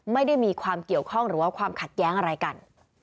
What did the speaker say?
ไม่ได้มีความเกี่ยวข้องหรือว่าความขัดแย้งอะไรกัน